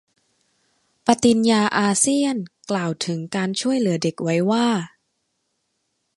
ปฏิญญาอาเซียนกล่าวถึง การช่วยเหลือเด็กไว้ว่า